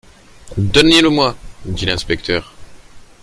Donnez-le-moi, dit l'inspecteur.